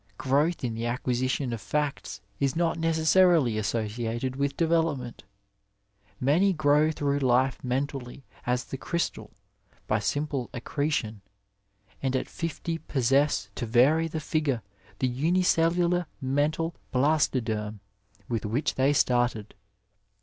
Growth in the acquisi tion of facts is not necessarily associated with develop Ill Digitized by VjOOQIC THE ARMY SURGEON ment. Many grow thiough life mentally as the crystal, by siinple accretion, and at fifty possess, to vary the figure, the unicellular mental blastoderm with which they started.